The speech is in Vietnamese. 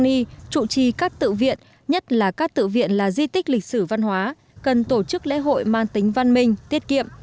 mi trụ trì các tự viện nhất là các tự viện là di tích lịch sử văn hóa cần tổ chức lễ hội mang tính văn minh tiết kiệm